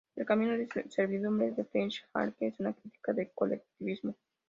El "Camino de servidumbre" de Friedrich Hayek es una crítica del colectivismo.